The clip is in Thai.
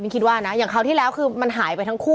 คิดว่านะอย่างคราวที่แล้วคือมันหายไปทั้งคู่